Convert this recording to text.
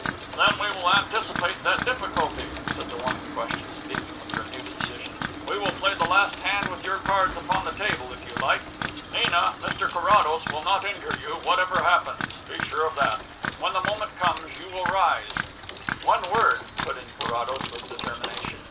"Then we will anticipate that difficulty," said the one in question, speaking with renewed decision. "We will play the last hand with our cards upon the table if you like. Nina, Mr Carrados will not injure you whatever happens be sure of that. When the moment comes you will rise " "One word," put in Carrados with determination.